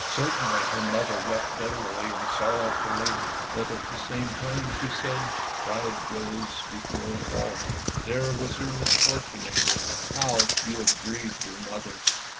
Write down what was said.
Certainly her mother wept bitterly and sorrowfully, but at the same time she said, " Pride goes before a fall! There was your misfortune, Inger! How you have grieved your mother."